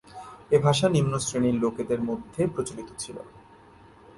এ ভাষা নিম্নশ্রেণীর লোকদের মধ্যে প্রচলিত ছিল।